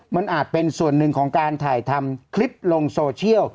มันอาจเป็นส่วนหนึ่งของการถ่ายทำคลิปลงโซเชียล